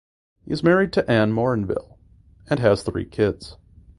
He is married to Anne Morinville and has three kids.